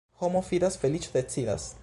Homo fidas, feliĉo decidas.